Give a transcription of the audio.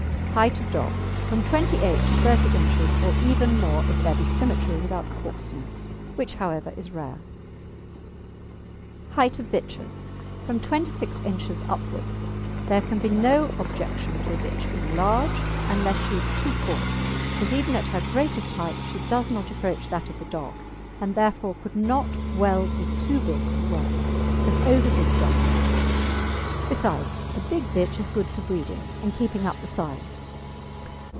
HEIGHT OF DOGS From 28 inches to 30 inches, or even more if there be symmetry without coarseness, which, however, is rare. HEIGHT OF BITCHES From 26 inches upwards. There can be no objection to a bitch being large, unless she is too coarse, as even at her greatest height she does not approach that of the dog, and, therefore, could not well be too big for work, as over big dogs are. Besides, a big bitch is good for breeding and keeping up the size.